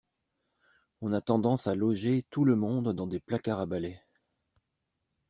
On a tendance à loger tout le monde dans des placards à balais.